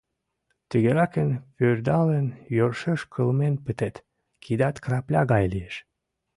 Тыгеракын пӧрдалын, йӧршеш кылмен пытет, кидат крапля гае лиеш.